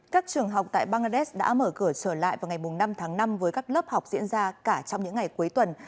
các trường học tại bangladesh đã mở cửa trở lại vào ngày năm tháng năm với các lớp học diễn ra cả trong những ngày cuối tuần